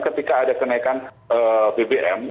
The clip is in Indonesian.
ketika ada kenaikan bbm